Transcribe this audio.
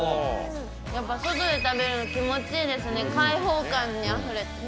やっぱり外で食べるの気持ちいいですね、開放感にあふれてて。